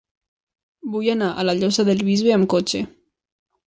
Vull anar a la Llosa del Bisbe amb cotxe.